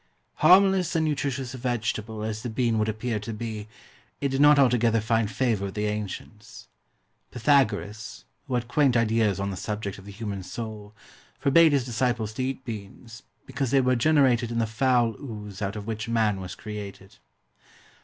Harmless and nutritious a vegetable as the BEAN would appear to be, it did not altogether find favour with the ancients. Pythagoras, who had quaint ideas on the subject of the human soul, forbade his disciples to eat beans, because they were generated in the foul ooze out of which man was created.